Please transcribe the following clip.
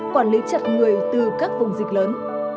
quản lý chặt người từ các vùng dịch lớn